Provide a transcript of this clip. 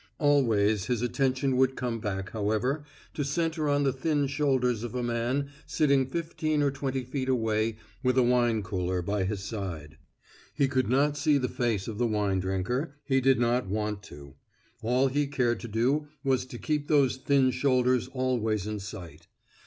Always his attention would come back, however, to center on the thin shoulders of a man sitting fifteen or twenty feet away with a wine cooler by his side. He could not see the face of the wine drinker; he did not want to. All he cared to do was to keep those thin shoulders always in sight.